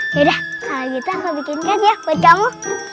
yaudah kali kita aku bikinkan ya buat kamu